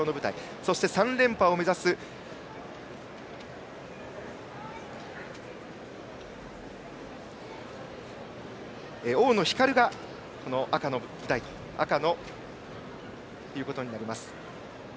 そして３連覇を目指す大野ひかるが赤ということになります。